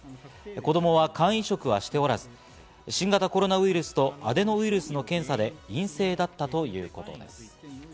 子供は肝移植はしておらず、新型コロナウイルスとアデノウイルスの検査で陰性だったということです。